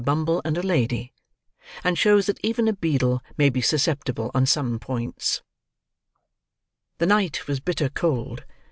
BUMBLE AND A LADY; AND SHOWS THAT EVEN A BEADLE MAY BE SUSCEPTIBLE ON SOME POINTS The night was bitter cold.